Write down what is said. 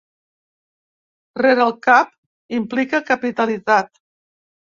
Rere el cap implica capitalitat.